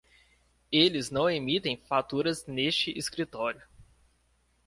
Eles não emitem faturas neste escritório.